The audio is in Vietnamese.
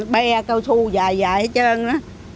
bê cao su dài dài hết trơn đó